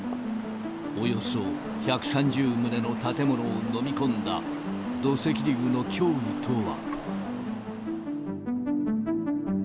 およそ１３０棟の建物を飲み込んだ土石流の脅威とは。